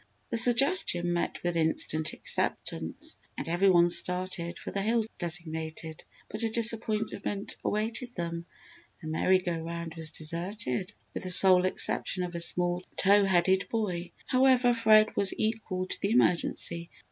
The suggestion met with instant acceptance and every one started for the hill designated. But a disappointment awaited them. The merry go round was deserted with the sole exception of a small tow headed boy. However Fred was equal to the emergency.